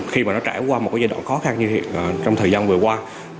khi mà nó trải qua một giai đoạn khó khăn như hiện trong thời gian vừa qua